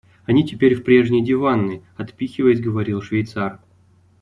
Они теперь в прежней диванной, — отпыхиваясь говорил швейцар.